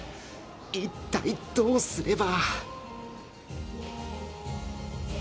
一体どうすれば